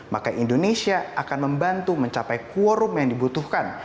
maka indonesia akan membantu mencapai quorum yang dibutuhkan